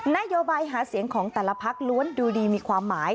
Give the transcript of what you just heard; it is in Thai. นโยบายหาเสียงของแต่ละพักล้วนดูดีมีความหมาย